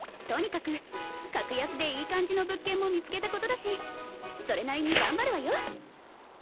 とにかく格安でいい感じの物件も見つけたことだしそれなりに頑張るわよ